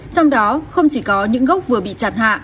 trong đó không chỉ có những gốc vừa bị chặt hạ